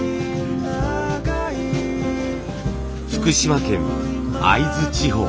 福島県会津地方。